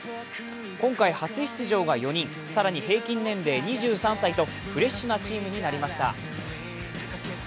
今回初出場が４人、更に平均年齢２３歳とフレッシュなチームになりました。